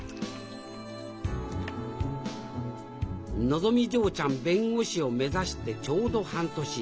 のぞみ嬢ちゃん弁護士を目指してちょうど半年。